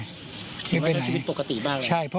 เฉียบว่าชีวิตปกติบ้างหรือเปล่า